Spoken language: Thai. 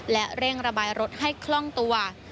และเร่งระบายรถให้คล่องตัว